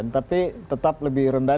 tapi tetap lebih rendah